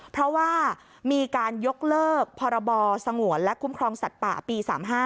เพราะว่ามีการยกเลิกพรบสงวนและคุ้มครองสัตว์ป่าปี๓๕